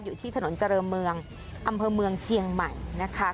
อยู่ที่ถนนเจริญเมืองอำเภอเมืองเชียงใหม่นะคะ